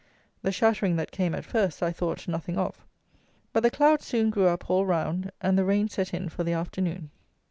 The shattering that came at first I thought nothing of; but the clouds soon grew up all round, and the rain set in for the afternoon.